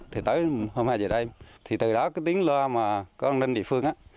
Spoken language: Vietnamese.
thì tới hôm hai h đêm thì từ đó tiếng loa mà có an ninh địa phương